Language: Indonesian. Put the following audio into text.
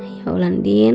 ya allah din